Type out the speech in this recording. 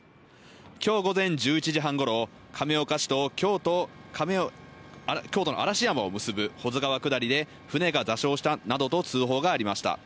今日午前１１時半ごろ、亀岡市と京都・嵐山を結ぶ保津川下りで舟が座礁したなどと通報がありました。